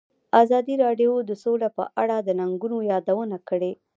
ازادي راډیو د سوله په اړه د ننګونو یادونه کړې.